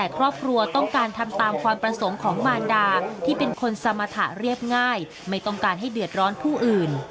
คนสมรรถะเรียบง่ายไม่ต้องการให้เดือดร้อนผู้อื่น